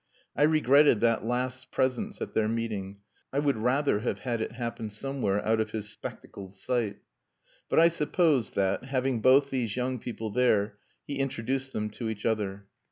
I regretted that last's presence at their meeting. I would rather have had it happen somewhere out of his spectacled sight. But I supposed that, having both these young people there, he introduced them to each other.